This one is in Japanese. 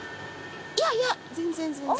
いやいや全然全然。